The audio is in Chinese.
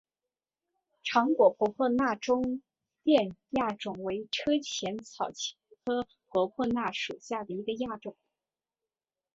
长果婆婆纳中甸亚种为车前草科婆婆纳属下的一个亚种。